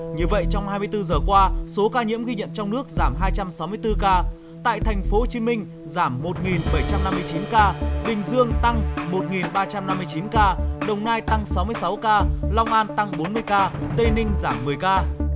như vậy trong hai mươi bốn giờ qua số ca nhiễm ghi nhận trong nước giảm hai trăm sáu mươi bốn ca tại tp hcm giảm một bảy trăm năm mươi chín ca bình dương tăng một ba trăm năm mươi chín ca đồng nai tăng sáu mươi sáu ca long an tăng bốn mươi ca